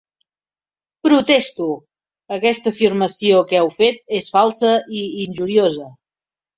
Protesto!: aquesta afirmació que heu fet és falsa i injuriosa.